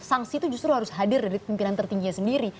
sanksi itu justru harus hadir dari pimpinan tertingginya sendiri